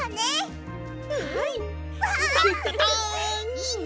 いいね！